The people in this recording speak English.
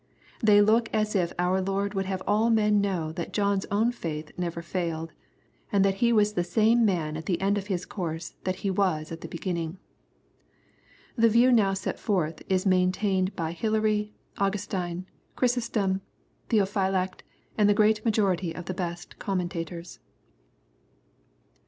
They look as if our Lord would have all men know that John's own faith never failed, and that he was the same man at the end of his course that he was at the beginning. The view now set forth is maintained by Hilary, Augustine, Ohrysostom, Theophylact^ and the great majority of the best com mentors.